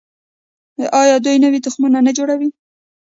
آیا دوی نوي تخمونه نه جوړوي؟